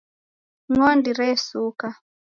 Ng'ondi resuka